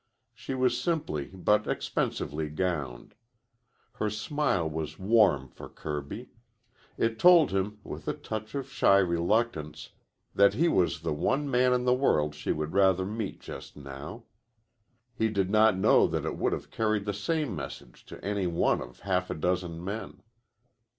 She was simply but expensively gowned. Her smile was warm for Kirby. It told him, with a touch of shy reluctance, that he was the one man in the world she would rather meet just now. He did not know that it would have carried the same message to any one of half a dozen men.